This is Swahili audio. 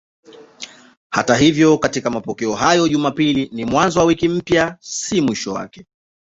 Hata hivyo katika mapokeo hayo Jumapili ni mwanzo wa wiki mpya, si mwisho wake.